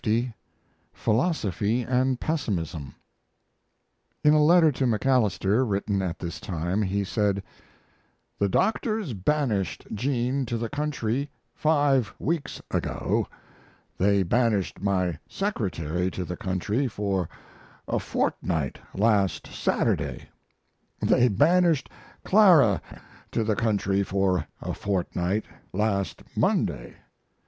CCL. PHILOSOPHY AND PESSIMISM In a letter to MacAlister, written at this time, he said: The doctors banished Jean to the country 5 weeks ago; they banished my secretary to the country for a fortnight last Saturday; they banished Clara to the country for a fortnight last Monday....